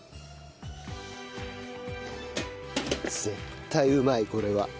絶対うまいこれは。